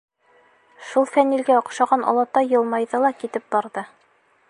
Шул Фәнилгә оҡшаған олатай йылмайҙы ла китеп барҙы.